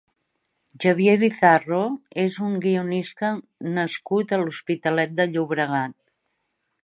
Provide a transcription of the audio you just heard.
Javier Bizarro és un guionista nascut a l'Hospitalet de Llobregat.